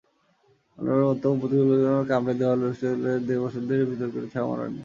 বর্ণবাদী মন্তব্য, প্রতিপক্ষ খেলোয়াড়কে কামড়ে দেওয়া—লুইস সুয়ারেজ বছর দেড়েক বিতর্কের ছায়াও মাড়াননি।